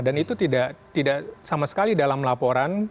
dan itu tidak sama sekali dalam laporan